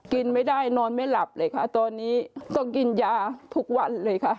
กินไม่ได้นอนไม่หลับเลยค่ะตอนนี้ต้องกินยาทุกวันเลยค่ะ